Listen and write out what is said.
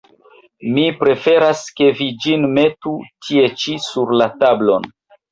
Mi preferas, ke vi ĝin metu tie ĉi, sur la tablon!